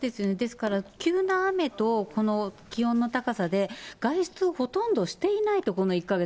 だから急な雨と、この気温の高さで外出をほとんどしていないと、この１か月。